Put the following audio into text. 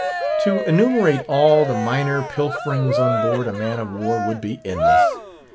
To enumerate all the minor pilferings on board a man of war would be endless.